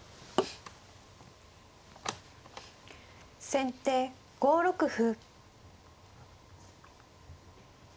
先手５六歩。